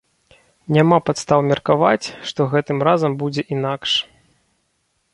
Няма падстаў меркаваць, што гэтым разам будзе інакш.